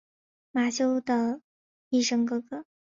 马修的孪生哥哥。